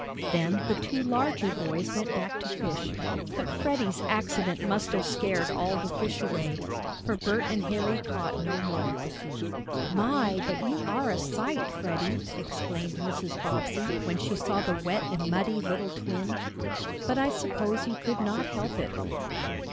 Then the two larger boys went back to fish, but Freddie's accident must have scared all the fish away, for Bert and Harry caught no more. "My, but you are a sight, Freddie!" exclaimed Mrs. Bobbsey, when she saw the wet and muddy little twin. "But I suppose you could not help it."